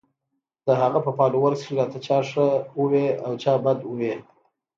د هغه پۀ فالوورز کښې راته چا ښۀ اووې او چا بد اووې